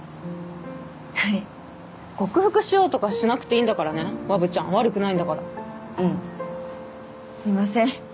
はい克服しようとかしなくていいんだからねわぶちゃん悪くないんだからうんすいません